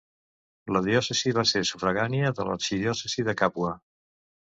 La diòcesi va ser sufragània de l'arxidiòcesi de Càpua.